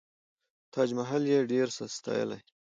تاج محل یې ډېر ستایلی.